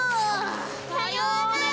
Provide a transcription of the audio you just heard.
さようなら！